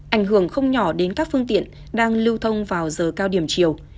ảnh hưởng không nhỏ đến các phương tiện đang lưu thông vào giờ cao điểm chiều